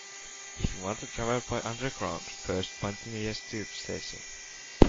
If you want to travel by underground, first find the nearest tube station